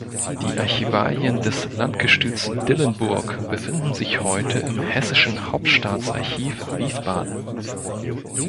Die Archivalien des Landgestüts Dillenburg befinden sich heute im Hessischen Hauptstaatsarchiv Wiesbaden.